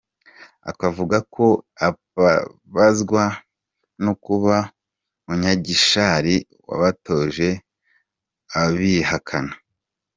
Akavuga ko ababazwa no kuba Munyagishari wabatoje, abihakana.